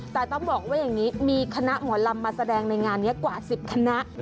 แต่ต้องบอกว่าอย่างนี้มีคณะหมอลำมาแสดงในงานนี้กว่า๑๐คณะ